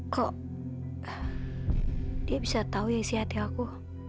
kok dia bisa tahu ya isi hati aku